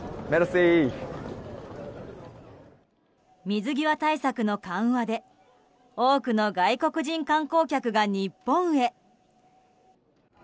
水際対策の緩和で多くの外国人観光客が日本へ。